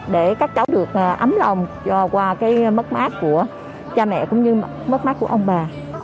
để các cháu được ấm lòng qua cái mất mát của cha mẹ cũng như mất mát của ông bà